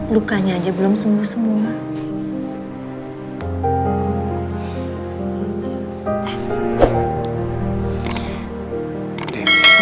lukanya aja belum sembuh semua